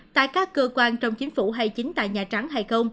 tại các cơ quan trong chính phủ hay chính tại nhà trắng hay không